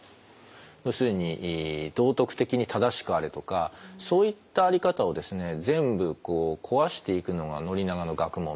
要するに道徳的に正しくあれとかそういった在り方を全部壊していくのが宣長の学問なんですね。